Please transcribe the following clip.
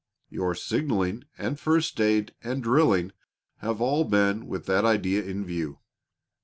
Your signaling and first aid and drilling have all been with that idea in view.